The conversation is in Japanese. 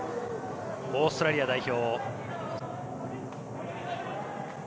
オーストラリア代表。